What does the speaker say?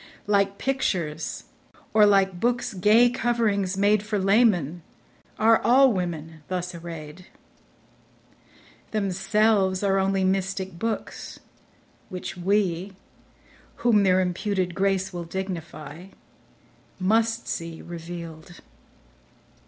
Like pictures, or like books' gay coverings made For laymen, are all women thus array'd. Themselves are only mystic books, which we Whom their imputed grace will dignifyMust see reveal'd.